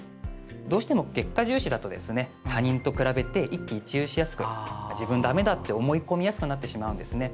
どうしても結果重視だと他人と比べて一喜一憂しやすくて自分、だめだと思い込みやすくなってしまうんですね。